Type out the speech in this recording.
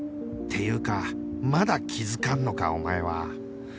っていうかまだ気づかんのかお前は！